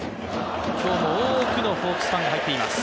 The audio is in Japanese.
今日も多くのホークスファンが入っています。